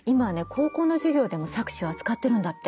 高校の授業でも錯視を扱ってるんだって。